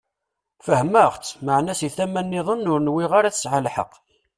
Fehmeɣ-tt, meɛna si tama-nniḍen ur nwiɣ ara tesɛa lḥeqq.